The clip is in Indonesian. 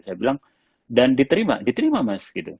dan diterima diterima mas